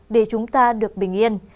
để chúng ta được bình yên